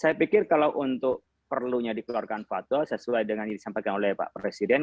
saya pikir kalau untuk perlunya dikeluarkan fatwa sesuai dengan yang disampaikan oleh pak presiden